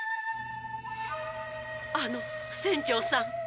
あの船長さん。